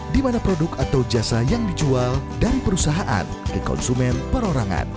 di mana produk atau jasa yang dijual dari perusahaan ke konsumen perorangan